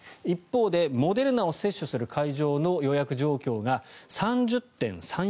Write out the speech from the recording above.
一方でモデルナを接種する会場の予約状況が３０．３４％。